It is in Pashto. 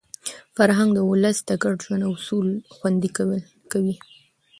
فرهنګ د ولس د ګډ ژوند اصول خوندي کوي.